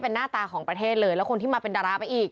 เป็นหน้าตาของประเทศเลยแล้วคนที่มาเป็นดาราไปอีก